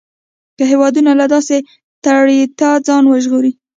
که هېوادونه له داسې تړلتیا ځان وژغوري.